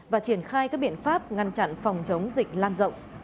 và triển khai các biện pháp ngăn chặn phòng chống dịch lan rộng